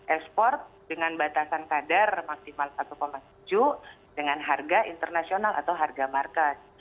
ekspor dengan batasan kadar maksimal satu tujuh dengan harga internasional atau harga market